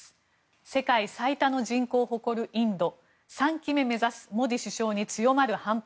世界最多の人口誇るインド３期目目指すモディ首相に強まる反発。